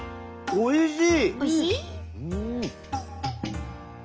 おいしい！